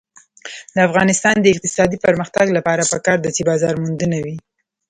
د افغانستان د اقتصادي پرمختګ لپاره پکار ده چې بازارموندنه وي.